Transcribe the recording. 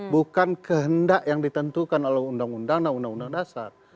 bukan kehendak yang ditentukan oleh undang undang dan undang undang dasar